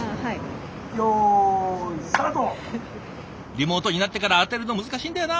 リモートになってから当てるの難しいんだよな。